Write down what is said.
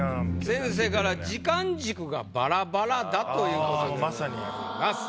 先生から「時間軸がバラバラ」だということでございます。